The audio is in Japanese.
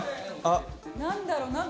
何だろう。